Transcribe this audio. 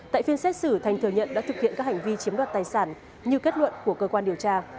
tại phiên xét xử thành thừa nhận đã thực hiện các hành vi chiếm đoạt tài sản như kết luận của cơ quan điều tra